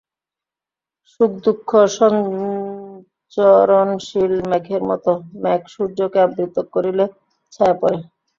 সুখ-দুঃখ সঞ্চরণশীল মেঘের মত, মেঘ সূর্যকে আবৃত করিলে ছায়া পড়ে।